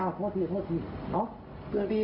โทษพี่โทษพี่